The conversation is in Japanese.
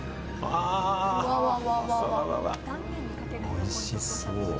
おいしそう！